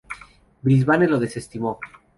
Brisbane lo desestimó.